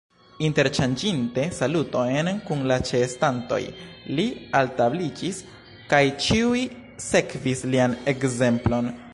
Interŝanĝinte salutojn kun la ĉeestantoj, li altabliĝis, kaj ĉiuj sekvis lian ekzemplon.